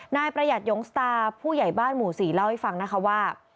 นายประหยัดหยงสตาผู้ใหญ่บ้านหมู่๔เล่าให้ฟังนะคะว่า